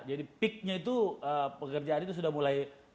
jadi peak nya itu pekerjaan itu sudah mulai sudah mulai nurut